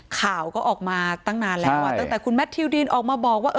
ข่าวก็ออกมาตั้งนานแล้วตั้งแต่คุณแมททิวดีนออกมาบอกว่า